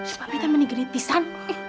tapi temennya geretisan